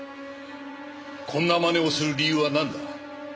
こんなまねをする理由はなんだ？